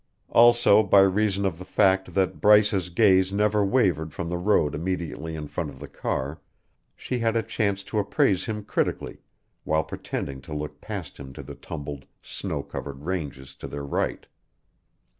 Also by reason of the fact that Bryce's gaze never wavered from the road immediately in front of the car, she had a chance to appraise him critically while pretending to look past him to the tumbled, snow covered ranges to their right.